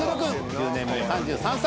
１０年目３３歳。